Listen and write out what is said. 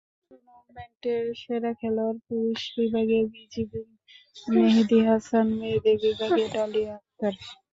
টুর্নামেন্টের সেরা খেলোয়াড় পুরুষ বিভাগে বিজিবির মেহেদী হাসান, মেয়েদের বিভাগে ডালিয়া আক্তার।